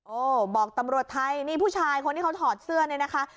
บอกตำรวจไทยนี่ผู้ชายคนที่เขาถอดเสื้อเนี่ยนะคะ